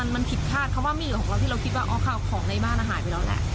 มันผิดคาดเพราะว่ามีเหลือของเราที่เราคิดว่าของในบ้านอ่ะหายไปแล้วแหละ